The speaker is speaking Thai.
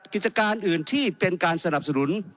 กิจการอื่นที่เป็นการสนับสนุน